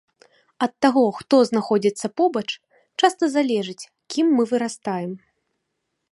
Ад таго, хто знаходзіцца побач, часта залежыць, кім мы вырастаем.